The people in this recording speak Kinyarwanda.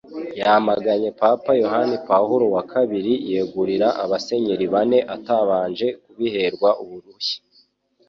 Yamaganye Papa Yohani Pawulo wa wakabiri yegurira abasenyeri bane atabanje kubiherwa uruhushya